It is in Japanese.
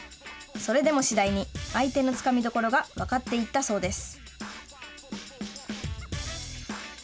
それでも次第に相手のつかみどころが分かっていったそうです。